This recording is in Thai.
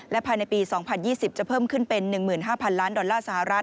และภายในปี๒๐๒๐จะเพิ่มขึ้นไป๑๕๐๐๐๐๐๐ดอลลาร์สหรัฐ